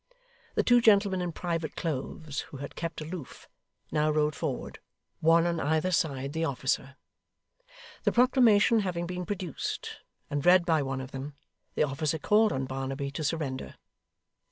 The two gentlemen in private clothes who had kept aloof, now rode forward, one on either side the officer. The proclamation having been produced and read by one of them, the officer called on Barnaby to surrender.